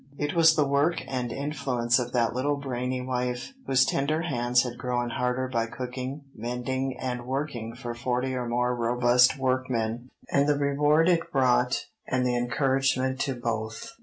It was the work and influence of that little brainy wife, whose tender hands had grown harder by cooking, mending, and working for forty or more robust workmen, and the reward it brought and the encouragement to both.